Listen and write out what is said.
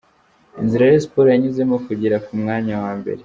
Inzira Rayon Sports yanyuzemo kugera ku mwanya wa mbere.